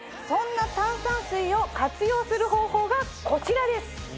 そんな炭酸水を活用する方法がこちらです。